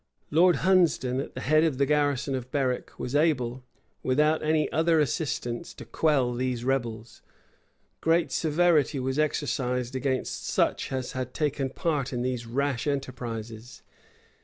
Lord Hunsdon, at the head of the garrison of Berwick, was able, without any other assistance, to quell these rebels. Great severity was exercised against such as had taken part in these rash enterprises.